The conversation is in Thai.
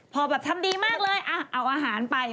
พอแบบทำดีมากเลยเอาอาหารไป